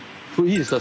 いいですか？